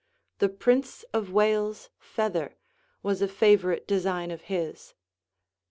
The Prince of Wales feather was a favorite design of his.